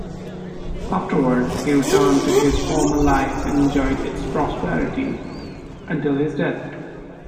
Afterwards he returned to his former life and enjoyed its prosperity until his death.